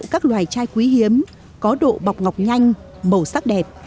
các loài chai quý hiếm có độ bọc ngọc nhanh màu sắc đẹp